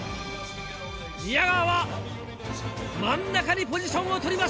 宮川は真ん中にポジションを取りました。